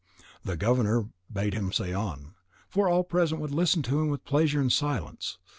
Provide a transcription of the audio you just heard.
The governor bade him say on, for all present would listen to him with pleasure and in silence.